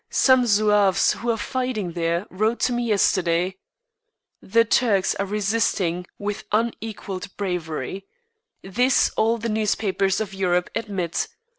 Some Zouaves who are fighting there wrote to me yesterday: "The Turks are resisting with unequalled bravery; this all the newspapers of Europe admit.